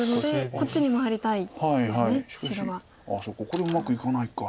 これはうまくいかないか。